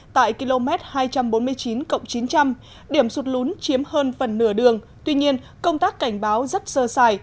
tại km hai trăm bốn mươi chín chín trăm linh điểm sụt lún chiếm hơn phần nửa đường tuy nhiên công tác cảnh báo rất sơ sài